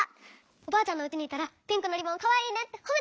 おばあちゃんのうちにいったらピンクのリボンかわいいねってほめてくれたの。